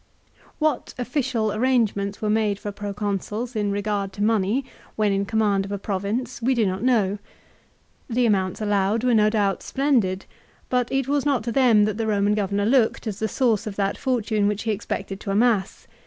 WHAT official arrangements were made for Proconsuls, in regard to money, when in command of a province we do not know. The amounts allowed were no doubt splendid, but it was not to them that the Eoman governor looked as the source of that fortune which he expected to amass.